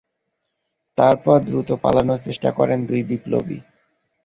তারপর দ্রুত পালানোর চেষ্টা করেন দুই বিপ্লবী।